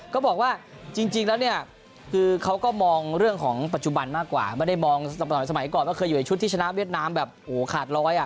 ก็บอกว่าจริงแล้วเนี่ยคือเขาก็มองเรื่องของปัจจุบันมากกว่าไม่ได้มองสมัยก่อนว่าเคยอยู่ในชุดที่ชนะเวียดนามแบบโอ้โหขาดร้อยอ่ะ